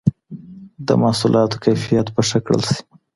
د محصولاتو کيفيت به ښه کړل سي.